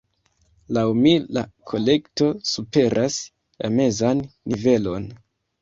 Laŭ mi, la kolekto superas la mezan nivelon.